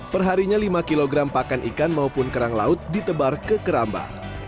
perharinya lima kg pakan ikan maupun kerang laut ditebar ke keramba